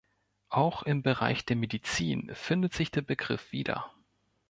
Auch im Bereich der Medizin findet sich der Begriff wieder.